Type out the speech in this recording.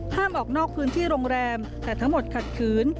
ออกนอกพื้นที่โรงแรมแต่ทั้งหมดขัดขืน